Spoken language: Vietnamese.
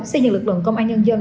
xây dựng lực lượng công an nhân dân